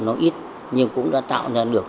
nó ít nhưng cũng đã tạo ra được